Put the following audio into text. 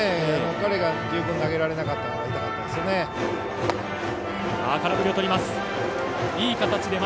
彼が十分投げられなかったのは痛かったですね。